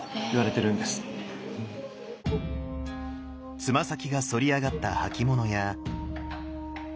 つま先が反り上がった履物や。